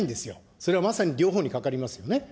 それはまさに両方にかかりますよね。